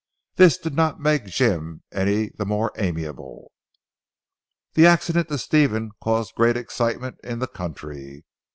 This did not make Jim any the more amiable. The accident to Stephen caused great excitement in the country.